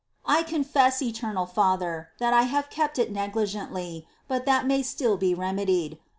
4. I confess, eternal Father, that I have kept it negli gently, but that may still be remedied.